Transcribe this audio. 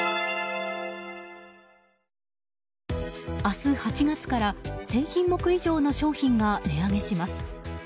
明日８月から１０００品目以上の商品が値上げします。